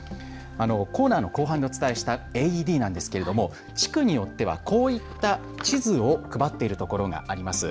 コーナーの後半でお伝えしたＡＥＤなんですけれども地区によってはこういった地図を配っている所があります。